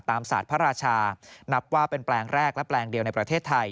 ศาสตร์พระราชานับว่าเป็นแปลงแรกและแปลงเดียวในประเทศไทย